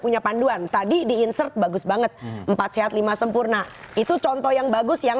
punya panduan tadi di insert bagus banget empat sehat lima sempurna itu contoh yang bagus yang